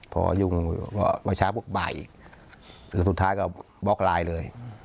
พอยุ่งวัยช้าพวกบ่ายแล้วสุดท้ายก็บล็อกไลน์เลย